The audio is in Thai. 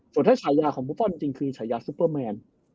ส่วนถ้าฉายาของบุฟฟอลจริงคือฉายาซุปเปอร์แมน